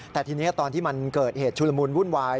แต่ทีนี้ตอนที่มันเกิดเหตุชุลมุนวุ่นวาย